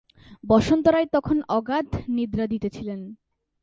বসন্ত রায় তখন অগাধ নিদ্রা দিতেছিলেন।